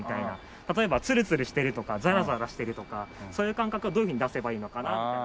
例えばツルツルしてるとかザラザラしてるとかそういう感覚をどういうふうに出せばいいのかなみたいな。